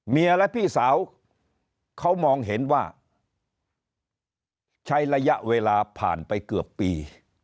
และพี่สาวเขามองเห็นว่าใช้ระยะเวลาผ่านไปเกือบปี